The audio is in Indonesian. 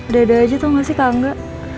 dada aja tau gak sih kangga